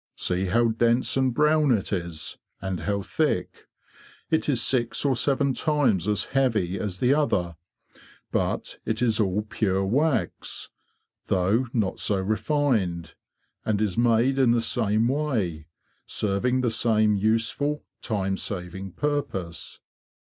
See how dense and brown it is, and how thick; it is six or seven times as heavy as the other. But it is all pure wax, though not so refined, and is made in the same way, serving the same useful, time saving purpose."